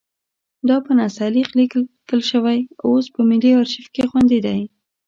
دا په نستعلیق لیک لیکل شوی اوس په ملي ارشیف کې خوندي دی.